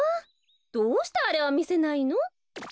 どうしてあれはみせないの？え！